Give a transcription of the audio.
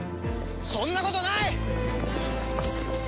そんなことない！